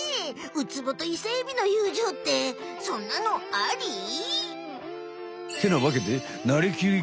ウツボとイセエビの友情ってそんなのあり？ってなわけで「なりきり！